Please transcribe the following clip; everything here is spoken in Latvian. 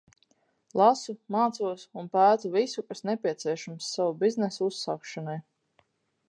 Lasu, mācos un pētu visu, kas nepieciešams sava biznesa uzsākšanai.